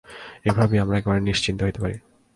এই ভাবিয়া আমরা একেবারে নিশ্চিন্ত হইতে পারি।